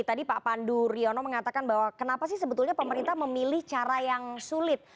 tadi pak pandu riono mengatakan bahwa kenapa sih sebetulnya pemerintah memilih cara yang sulit